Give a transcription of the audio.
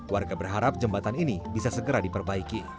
warga berharap jembatan ini bisa segera diperbaiki